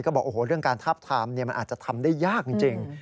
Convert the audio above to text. ก็บอกโอ้โหเรื่องการทับทามมันอาจจะทำได้ยากจริง